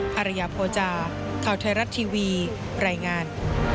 ภรรยาโภจาข่าวไทยรัฐทีวีรายงาน